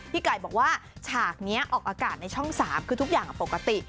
ไก่บอกว่าฉากนี้ออกอากาศในช่อง๓คือทุกอย่างปกติ